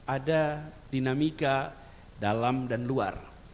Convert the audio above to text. ada dinamika dalam dan luar